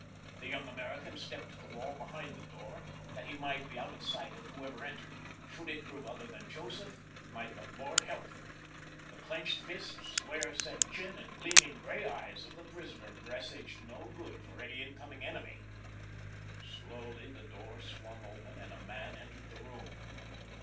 The young American stepped to the wall behind the door that he might be out of sight of whoever entered. Should it prove other than Joseph, might the Lord help them! The clenched fists, square set chin, and gleaming gray eyes of the prisoner presaged no good for any incoming enemy. Slowly the door swung open and a man entered the room.